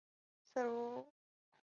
这倒是真